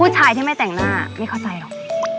ผู้ชายที่ไม่แต่งหน้าไม่เข้าใจหรอก